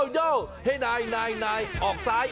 โย่เฮ้นายนายนาย